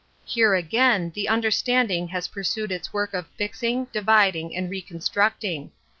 Here, again, the understanding has pursued its work of fixing, dividing, and reconstructing.